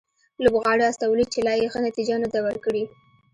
لوبغاړي استولي چې لا یې ښه نتیجه نه ده ورکړې